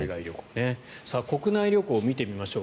国内旅行を見てみましょう。